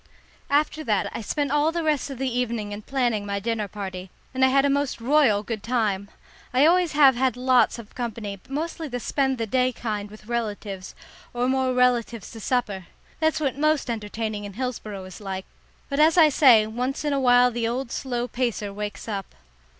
After that I spent all the rest of the evening in planning my dinner party, and I had a most royal good time. I always have had lots of company, but mostly the spend the day kind with relatives, or more relatives to supper. That's what most entertaining in Hillsboro is like, but, as I say, once in a while the old slow pacer wakes up.